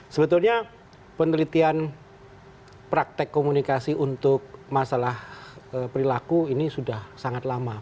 sebetulnya penelitian praktek komunikasi untuk masalah perilaku ini sudah sangat lama